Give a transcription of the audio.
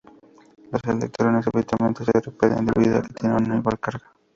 Los electrones habitualmente se repelen debido a que tienen igual carga.